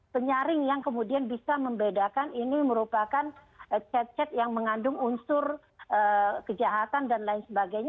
penyaring yang kemudian bisa membedakan ini merupakan cat cat yang mengandung unsur kejahatan dan lain sebagainya